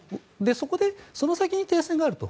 そこでその先に停戦があると。